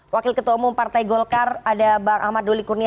wakil ketua umum partai golkar ada bang ahmad doli kurnia